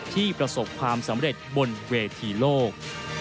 ประสบความสำเร็จบนเวทีโลก